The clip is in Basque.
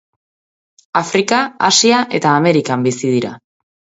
Afrika, Asia eta Amerikan bizi dira.